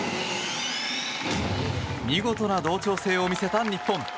見事な同調性を見せた日本。